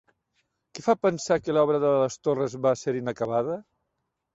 Què fa pensar que l'obra de les torres va ser inacabada?